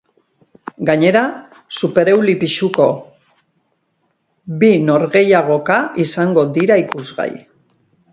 Gainera, supereuli pisuko bi norgehiagoka izango dira ikusgai.